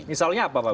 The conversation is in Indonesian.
misalnya apa pak widja